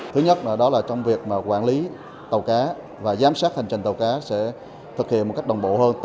thứ nhất đó là trong việc quản lý tàu cá và giám sát hành trình tàu cá sẽ thực hiện một cách đồng bộ hơn